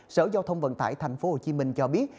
sở giao thông vận tải tp hcm cho biết